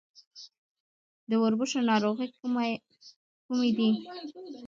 د وربشو ناروغۍ کومې دي؟